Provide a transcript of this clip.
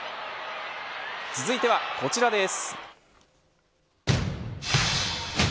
続いてはこちらです。